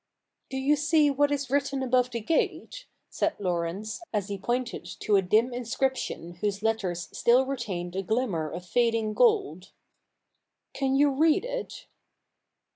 '] )o you see what is written above the gate ?' said Laurence, as he pointed to a dim inscription whose letters still retained a glimmer of fading gold ; 'can you read it?